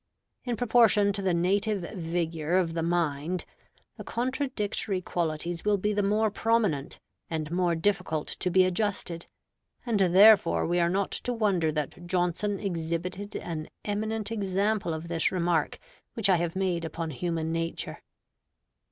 In proportion to the native vigor of the mind, the contradictory qualities will be the more prominent, and more difficult to be adjusted; and therefore we are not to wonder that Johnson exhibited an eminent example of this remark which I have made upon human nature.